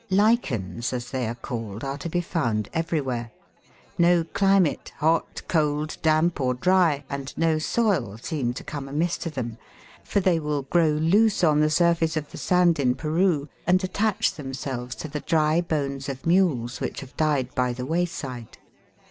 Lichens, as they are called, are to be found everywhere ; no climate, hot, cold, damp, or 92 THE WORLD'S LUMBER ROOM. dry, and no soil seem to come amiss to them, for they will grow loose on the surface of the sand in Peru, and attach themselves to the dry bones of mules which have died by the wayside.